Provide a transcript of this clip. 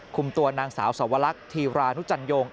คุมตัวนางสาวสวรรลักษณ์ธีราณุจันโยง